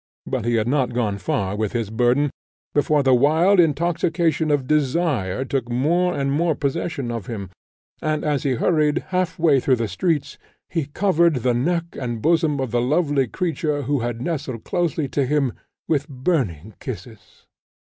But he had not gone far with his burthen, before the wild intoxication of desire took more and more possession of him, and, as he hurried half way through the streets, he covered the neck and bosom of the lovely creature, who had nestled closely to him with burning kisses.